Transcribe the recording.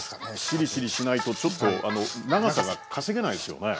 しりしり−しないとちょっと長さが稼げないですよね。